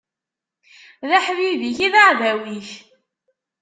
D aḥbib-ik i d aɛdaw-ik.